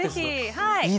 はい。